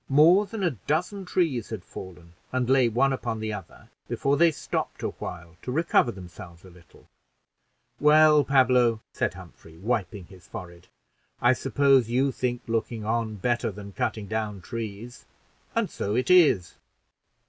More than a dozen trees had fallen, and lay one upon the other, before they stopped a while to recover themselves a little. "Well, Pablo," said Humphrey, wiping his forehead, "I suppose you think looking on better than cutting down trees; and so it is."